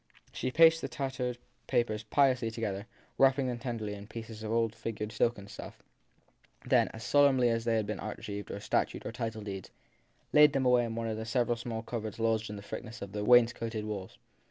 She placed the tattered papers piously together, wrapping them tenderly in a piece of old figured silken stuff; then, as sol emnly as if they had been archives or statutes or title deeds, laid them away in one of the several small cupboards lodged in the thickness of the wainscoted walls.